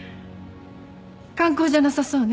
観光じゃなさそうね。